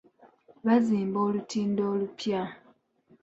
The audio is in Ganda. Baazimba olutindo olupya.